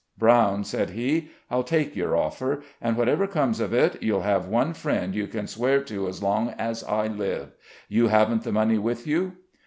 "Brown," said he, "I'll take your offer; and, whatever comes of it, you'll have one friend you can swear to as long as I live. You haven't the money with you?"